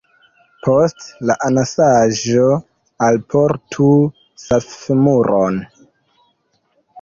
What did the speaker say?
Post la anasaĵo alportu ŝaffemuron.